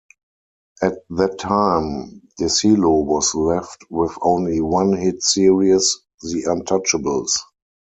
At that time, Desilu was left with only one hit series, "The Untouchables".